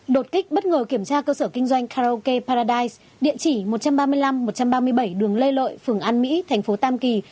đột kích bất ngờ kiểm tra cơ sở kinh doanh karaoke paradise địa chỉ một trăm ba mươi năm một trăm ba mươi bảy đường lê lợi phường an mỹ thành phố tam kỳ